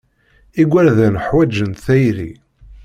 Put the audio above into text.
Igerdan ḥwajen tayri.